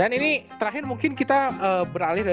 dan ini terakhir mungkin kita beralih dari konten ini